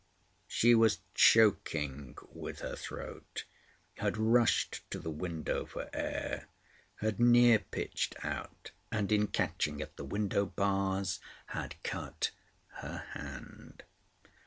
She was choking with her throat; had rushed to the window for air; had near pitched out, and in catching at the window bars had cut her hand.